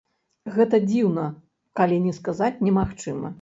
Гэта дзіўна, калі не сказаць немагчыма.